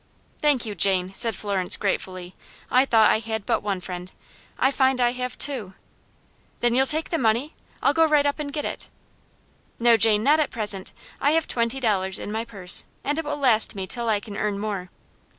"Thank you, Jane," said Florence, gratefully. "I thought I had but one friend. I find I have two " "Then you'll take the money? I'll go right up and get it." "No, Jane; not at present. I have twenty dollars in my purse, and it will last me till I can earn more."